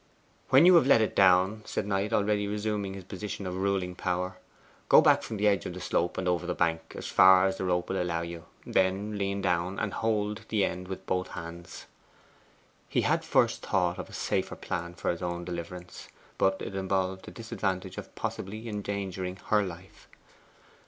'When you have let it down,' said Knight, already resuming his position of ruling power, 'go back from the edge of the slope, and over the bank as far as the rope will allow you. Then lean down, and hold the end with both hands.' He had first thought of a safer plan for his own deliverance, but it involved the disadvantage of possibly endangering her life.